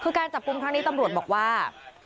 คือการจับกลุ่มครั้งนี้ตำรวจบอกว่า